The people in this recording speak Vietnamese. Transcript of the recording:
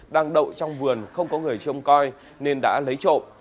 đang đậu trong vườn không có người trông coi nên đã lấy trộm